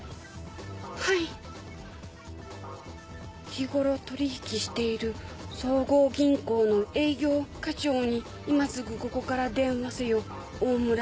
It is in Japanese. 「日ごろ取り引きしている相互銀行の営業課長に今すぐここから電話せよオオムラ」。